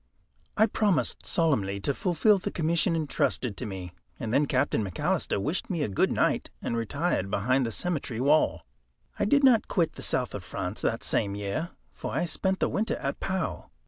I promised solemnly to fulfil the commission entrusted to me, and then Captain McAlister wished me a good night, and retired behind the cemetery wall. I did not quit the South of France that same year, for I spent the winter at Pau.